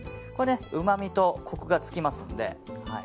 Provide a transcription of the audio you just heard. うまみとコクがつきますので。